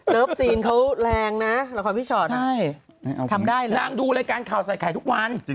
ซีนเขาแรงนะละครพี่ชอตทำได้เลยนางดูรายการข่าวใส่ไข่ทุกวัน